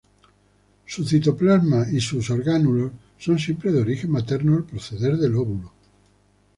Su citoplasma y sus orgánulos son siempre de origen materno al proceder del óvulo.